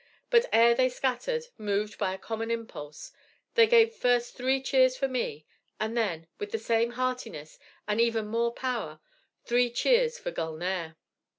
But ere they scattered, moved by a common impulse, they gave first three cheers for me, and then, with the same heartiness and even more power, three cheers for Gulnare.